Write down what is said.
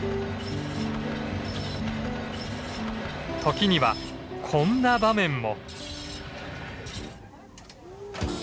時にはこんな場面も。